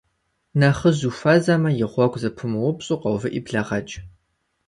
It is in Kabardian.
Нэхъыжь ухуэзэмэ, и гъуэгу зэпумыупщӏу, къэувыӏи блэгъэкӏ.